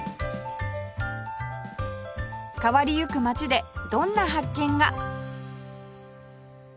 変わりゆく街でどんな発見が？